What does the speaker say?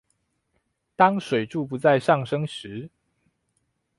當水柱不再上升時